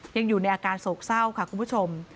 ยังอยู่ในอาการโศกเศร้าค่ะคุณผู้ชม